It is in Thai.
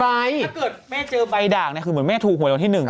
ถ้าเกิดแม่เจอใบด่างนี่คือเหมือนแม่ถูกหวยกว่านี้หนึ่ง